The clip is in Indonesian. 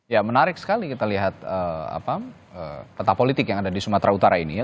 ya menarik sekali kita lihat peta politik yang ada di sumatera utara ini ya